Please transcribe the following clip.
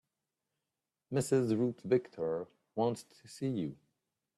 Mrs. Ruth Victor wants to see you.